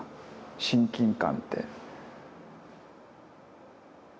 親近感って。